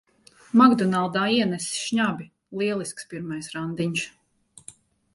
"Makdonaldā" ienesis šnabi! Lielisks pirmais randiņš.